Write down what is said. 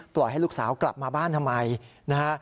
ปล่อยให้ลูกสาวกลับมาบ้านทำไม